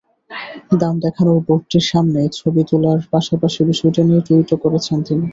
দাম দেখানোর বোর্ডটির সামনে ছবি তোলার পাশাপাশি বিষয়টি নিয়ে টুইটও করেছেন তিনি।